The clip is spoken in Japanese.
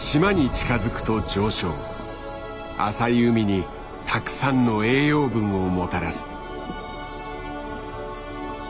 浅い海にたくさんの栄養分をもたらす。